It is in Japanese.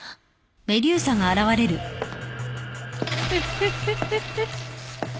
フフフフ。